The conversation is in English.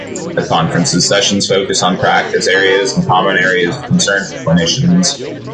The conference's sessions focus on practice areas and common areas of concern for clinicians.